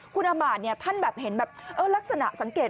คุณอมารเนี่ยท่านแบบเห็นแบบเออลักษณะสังเกต